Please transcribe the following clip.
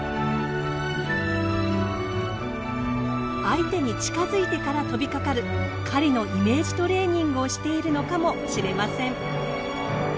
相手に近づいてから飛びかかる狩りのイメージトレーニングをしているのかもしれません。